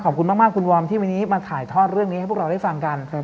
ขอบคุณนี้มาข่ายทอดเรื่องนี้มองได้ฟังกัน